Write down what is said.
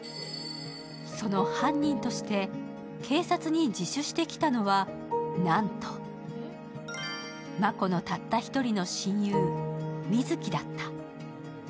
その犯人として警察に自首してきたのはなんと真子のたった１人の親友・美月だった。